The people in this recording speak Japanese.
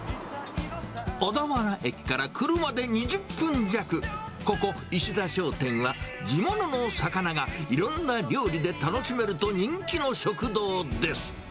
小田原駅から車で２０分弱、ここ、いしだ商店は地物の魚がいろんな料理で楽しめると人気の食堂です。